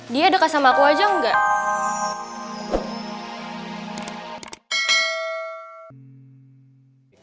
dia dekat sama aku aja enggak